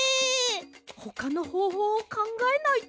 ほかのほうほうをかんがえないと。